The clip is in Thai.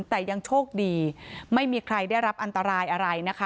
แต่ยังโชคดีไม่มีใครได้รับอันตรายอะไรนะคะ